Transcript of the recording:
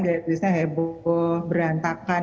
gaya tulisnya heboh berantakan